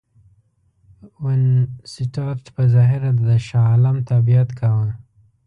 وینسیټارټ په ظاهره د شاه عالم تابعیت کاوه.